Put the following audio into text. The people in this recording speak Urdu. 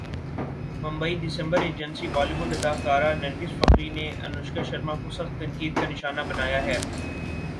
ممبئی دسمبرایجنسی بالی وڈ اداکارہ نرگس فخری نے انوشکا شرما کو سخت تنقید کا نشانہ بنایا ہے